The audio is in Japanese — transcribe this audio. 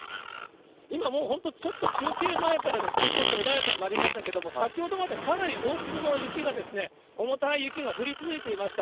今もう、本当、ちょっと中継前から少し穏やかになりましたけど、先ほどまでかなり大粒の雪が、重たい雪が降り続いていました。